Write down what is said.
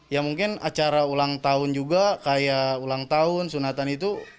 ya mungkin acara ulang tahun juga kayak ulang tahun sunatan itu